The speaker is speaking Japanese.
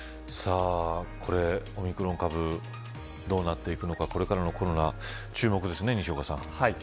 オミクロン株どうなっていくのかこれからのコロナ注目ですね、西岡さん。